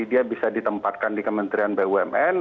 dia bisa ditempatkan di kementerian bumn